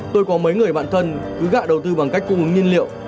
tôi có mấy người bạn thân cứ gạ đầu tư bằng cách cung ứng nhiên liệu